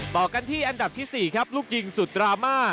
ต่อกันที่อันดับที่๔ครับลูกยิงสุดดราม่า